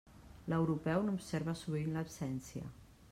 L'europeu n'observa sovint l'absència.